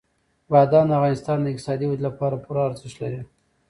بادام د افغانستان د اقتصادي ودې لپاره پوره ارزښت لري.